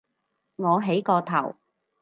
我起個頭